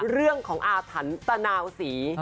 เรื่องของอาถรรพ์ตะนาวศรี